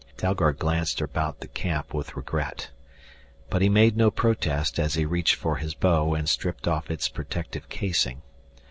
Dalgard glanced about the camp with regret. But he made no protest as he reached for his bow and stripped off its protective casing.